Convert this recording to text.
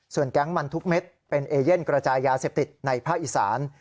แก๊งมันทุกเม็ดเป็นเอเย่นกระจายยาเสพติดในภาคอีสาน